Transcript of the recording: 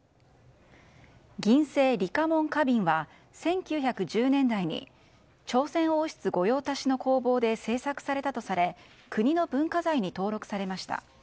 銀製李花文花瓶は１９１０年代に朝鮮王室御用達の工房で制作されたとされ、国の文化財に登録されました。